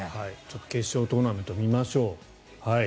決勝トーナメント見ましょう。